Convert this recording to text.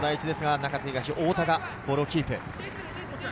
中津東・太田がボールをキープ。